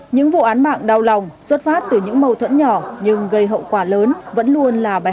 những vụ án mạng đau lòng xuất phát từ những mâu thuẫn nhỏ nhưng gây hậu quả lớn vẫn luôn là bài